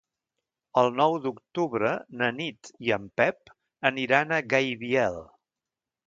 El nou d'octubre na Nit i en Pep aniran a Gaibiel.